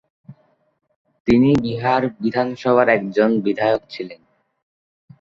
তিনি বিহার বিধানসভার একজন বিধায়ক ছিলেন।